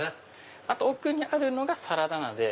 あと奥にあるのがサラダ菜で。